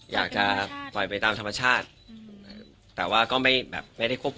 อยากจะปล่อยไปตามธรรมชาติแต่ว่าก็ไม่ได้ควบคุมอะไรอย่างนี้ครับ